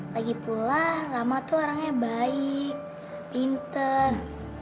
lagipula rama tuh orangnya baik pinter